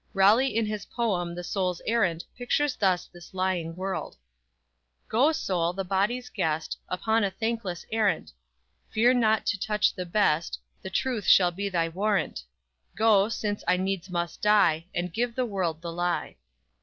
Raleigh in his poem "The Soul's Errand," pictures thus this lying world: _"Go, soul, the body's guest, Upon a thankless arrant; Fear not to touch the best, The truth shall be thy warrant; Go, since I needs must die, And give the world the lie!